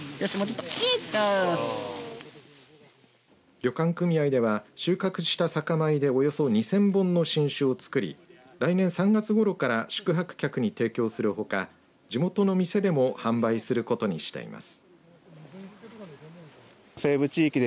旅館組合では、収穫した酒米でおよそ２０００本の新酒をつくり来年３月ごろから宿泊客に提供するほか地元の店でも販売することにしています。